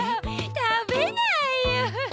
たべないよ。